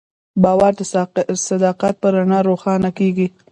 باور د صداقت په رڼا روښانه کېږي.